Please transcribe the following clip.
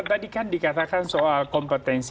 tadi kan dikatakan soal kompetensi